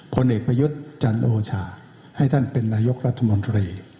ผลเอกประยุทธ์จันโอชาให้ท่านเป็นนายกรัฐมนตรี